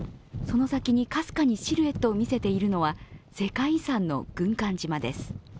その先にかすかにシルエットを見せているのは、世界遺産の軍艦島です。